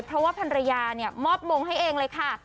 เพราะไภเนี่ยมอบมงต์ให้เองเลยค่ะ